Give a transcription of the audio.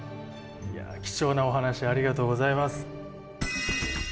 いや貴重なお話ありがとうございます！